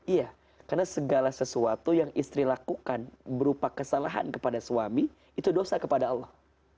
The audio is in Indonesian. iya karena segala sesuatu yang istri lakukan berupa kesalahan kepada suami itu dosa kepada allah